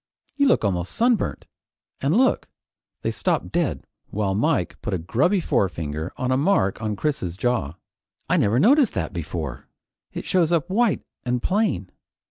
You look almost sunburnt. And look " They stopped dead while Mike put a grubby forefinger on a mark on Chris's jaw. "I never noticed that before. It shows up white an' plain.